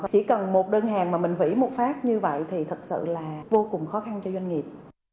chỉ cần một đơn hàng mà mình hủy một phát như vậy thì thật sự là vô cùng khó khăn cho doanh nghiệp